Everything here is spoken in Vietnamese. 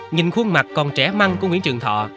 nhìn khuôn mặt còn trẻ măng của nguyễn trường thọ